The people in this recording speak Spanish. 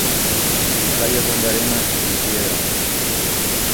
Sus playas son de arena y piedra.